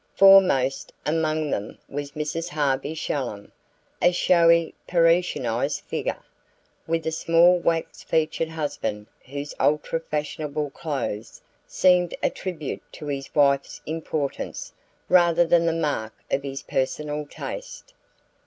Foremost among them was Mrs. Harvey Shallum, a showy Parisianized figure, with a small wax featured husband whose ultra fashionable clothes seemed a tribute to his wife's importance rather than the mark of his personal taste.